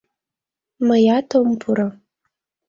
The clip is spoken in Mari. — Мыят ом пуро.